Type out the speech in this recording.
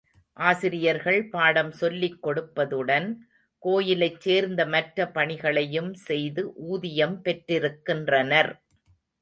ஆசிரியர்கள் பாடம் சொல்லிக் கொடுப்பதுடன், கோயிலைச் சேர்ந்த மற்ற பணிகளையும் செய்து ஊதியம் பெற்றிருக்கின்றனர்.